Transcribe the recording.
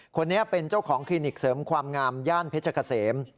คนนี้เป็นเจ้าของคลินิกเสริมความงามย่านเพชรเกษม